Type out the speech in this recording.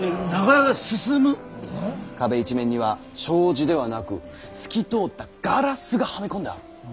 壁一面には障子ではなく透き通ったガラスがはめ込んである。